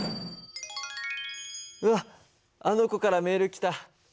うわっあの子からメール来た。